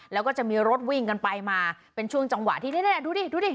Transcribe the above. แล้วก็จะมีรถวิ่งกันไปมาเป็นช่วงจังหวะที่นี่ดูดิดูดิ